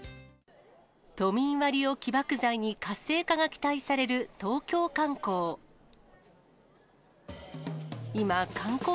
都民割を起爆剤に活性化が期待される、東京観光。